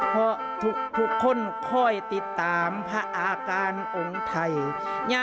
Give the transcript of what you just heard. เพราะทุกคนคอยติดตามพระอาการองค์ไทย